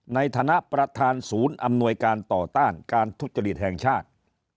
ในฐานะประธานศูนย์อำนวยการต่อต้านการทุจริตแห่งชาติ